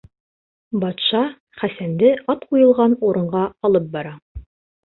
Батша Хәсәнде ат ҡуйылған урынға алып бара.